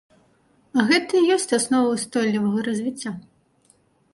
А гэта і ёсць аснова ўстойлівага развіцця!